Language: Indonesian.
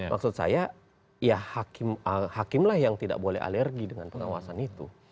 maksud saya ya hakim lah yang tidak boleh alergi dengan pengawasan itu